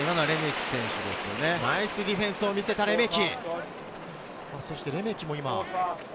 ナイスディフェンスを見せたレメキ。